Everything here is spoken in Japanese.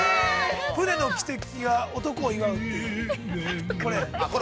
船の汽笛が男を祝うという、これ。